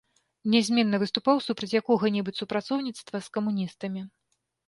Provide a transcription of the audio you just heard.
Нязменна выступаў супраць якога-небудзь супрацоўніцтва з камуністамі.